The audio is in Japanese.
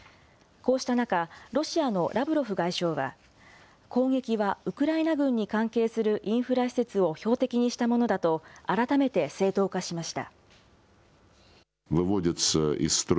こうした中、ロシアのラブロフ外相は、攻撃はウクライナ軍に関係するインフラ施設を標的にしたものだと、改めて正当化しました。